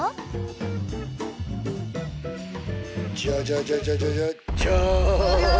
ジャジャジャジャジャジャジャーン！